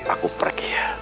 aku pergi ya